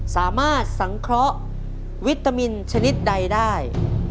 สามารถสังเคราะห์วิตามินชนิดใดได้